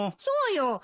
そうよ。